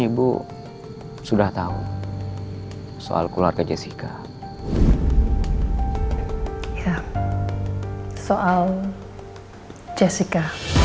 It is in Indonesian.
ibu sudah tahu soal keluarga jessica ya soal jessica